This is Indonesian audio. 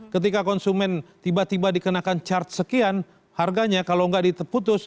ketika konsumen tiba tiba dikenakan charge sekian harganya kalau nggak diputus